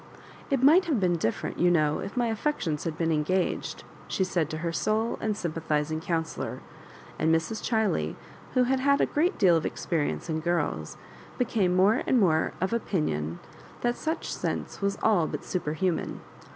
*'It might have been different, you know, if mv affections had been engaged/* she said to her' sole and sympathizing counsellor; and Mrs. Cbiley, who had had a great deal of experience in girls, became more and more of opinion that such sense was all but superhuman.